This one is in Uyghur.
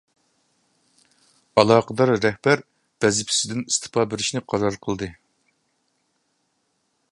ئالاقىدار رەھبەر ۋەزىپىسىدىن ئىستېپا بېرىشنى قارار قىلدى.